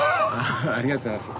ありがとうございます。